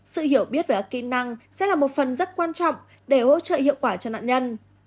sự hiểu biết về các kỹ năng sẽ là một phần rất quan trọng để hỗ trợ hiệu quả cho nạn nhân